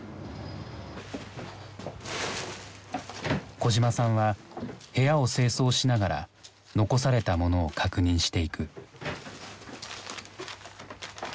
小島さんは部屋を清掃しながら遺されたものを確認していく。